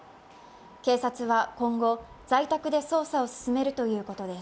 警察は今後、在宅で捜査を進めるということです。